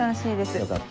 よかった。